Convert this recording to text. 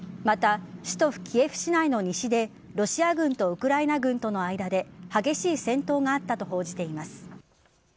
また、首都・キエフ市内の西でロシア軍とウクライナ軍との間で激しい戦闘があったと報じています。